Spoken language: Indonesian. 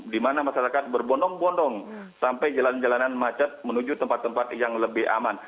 di mana masyarakat berbondong bondong sampai jalan jalanan macet menuju tempat tempat yang lebih aman